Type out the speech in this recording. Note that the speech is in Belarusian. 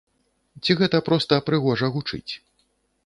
Ці гэта проста прыгожа гучыць?